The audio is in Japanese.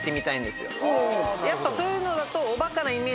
やっぱそういうのだと。